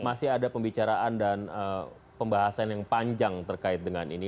masih ada pembicaraan dan pembahasan yang panjang terkait dengan ini